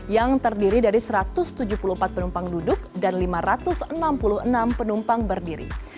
yang terdiri dari satu ratus tujuh puluh empat penumpang duduk dan lima ratus enam puluh enam penumpang berdiri